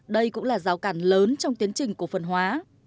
đây cũng là rào cản lớn trong tiến trình cổ phần hóa